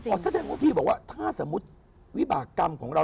แสดงว่าพี่บอกว่าถ้าสมมุติวิบากรรมของเรา